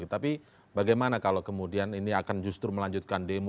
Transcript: tapi bagaimana kalau kemudian ini akan justru melanjutkan demo